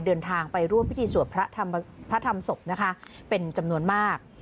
เดินทางไปร่วมพิธีสวดพระธรรมศพนะคะเป็นจำนวนมาก